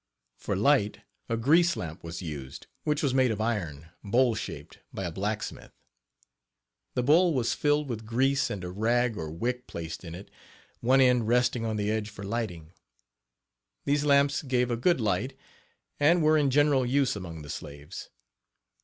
For light a grease lamp was used, which was made of iron, bowl shaped, by a blacksmith. The bowl was filled with grease and a rag or wick placed in it, one end resting on the edge for lighting. These lamps gave a good light, and were in general use among the slaves.